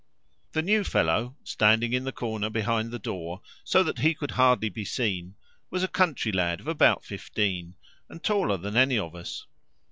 The "new fellow," standing in the corner behind the door so that he could hardly be seen, was a country lad of about fifteen, and taller than any of us.